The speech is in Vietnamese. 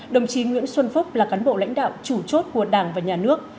đồng chí nguyễn xuân phúc là cán bộ lãnh đạo chủ chốt của đảng và nhà nước